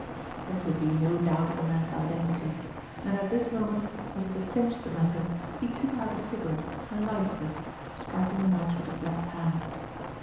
There could be no doubt of the man's identity; and, at this moment, as if to clinch the matter, he took out a cigarette and lighted it, striking the match with his left hand.